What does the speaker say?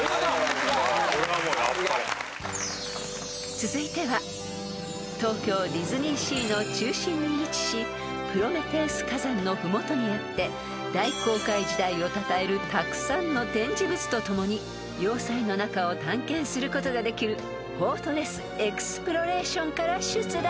［続いては東京ディズニーシーの中心に位置しプロメテウス火山の麓にあって大航海時代をたたえるたくさんの展示物とともに要塞の中を探検することができるフォートレス・エクスプロレーションから出題］